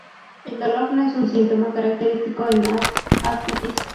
El dolor no es un síntoma característico en la ascitis.